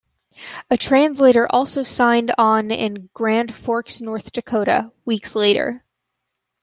A translator also signed on in Grand Forks, North Dakota, weeks later.